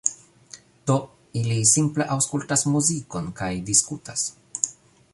Do, ili simple aŭskultas muzikon kaj diskutas